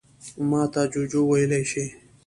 _ماته جُوجُو ويلی شې.